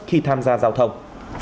khi tham gia giao thông